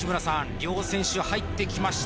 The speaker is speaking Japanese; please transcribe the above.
両選手入ってきました